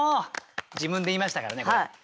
自分で言いましたからねこれ。